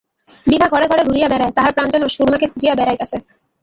বিভা ঘরে ঘরে ঘুরিয়া বেড়ায়, তাহার প্রাণ যেন সুরমাকে খুঁজিয়া বেড়াইতেছে।